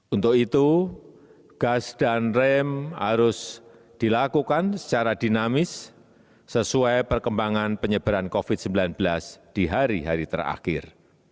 untuk itu gas dan rem harus dilakukan secara dinamis sesuai perkembangan penyebaran covid sembilan belas di hari hari terakhir